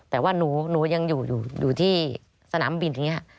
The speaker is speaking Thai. แต่ว่าหนูยังอยู่ที่สนามบินอย่างนี้ค่ะ